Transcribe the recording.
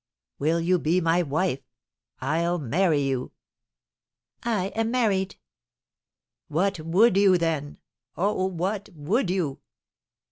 "Will you be my wife? I'll marry you." "I am married." "What would you, then? Oh, what would you?"